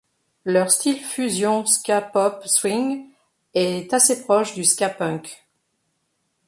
Leur style fusion ska-pop-swing est assez proche du ska punk.